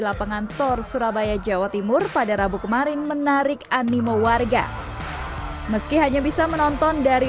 lapangan tor surabaya jawa timur pada rabu kemarin menarik animo warga meski hanya bisa menonton dari